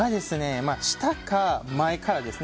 下か前からですね。